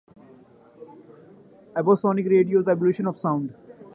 Evosonic Radio, the evolution of sound.